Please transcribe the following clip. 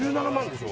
でしょ